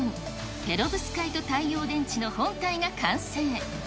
ペロブスカイト太陽電池の本体が完成。